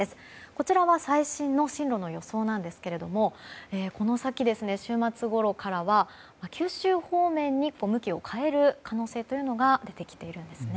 こちらは最新の進路の予想なんですがこの先、週末ごろからは九州方面に向きを変える可能性が出てきているんですね。